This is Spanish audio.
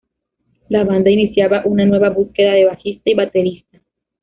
La banda iniciaba una nueva búsqueda de bajista y baterista.